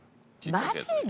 マジで？